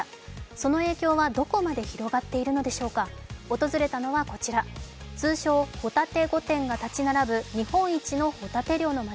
その影響はどこまで広がっているのでしょうか訪れたのはこちら、通称・ホタテ御殿が立ち並ぶ日本一のホタテ漁の町。